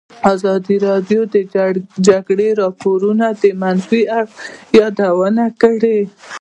ازادي راډیو د د جګړې راپورونه د منفي اړخونو یادونه کړې.